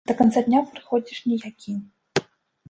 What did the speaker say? Да канца дня прыходзіш ніякі.